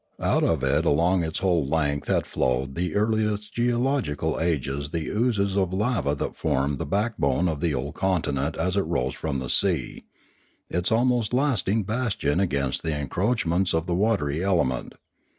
Out of it along its whole length had flowed in the earliest geological ages the oozes of lava that formed the backbone of the old continent as it rose from the sea, its most lasting bas tion against the encroachments of the watery element.